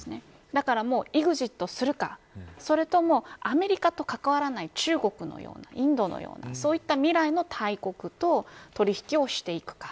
だからイグジットするかそれとも、アメリカと関わらない中国のようなインドのようなそういった未来の大国と取引をしていくか。